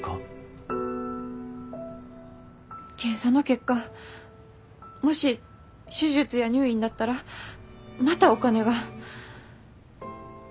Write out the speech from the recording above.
検査の結果もし手術や入院だったらまたお金が。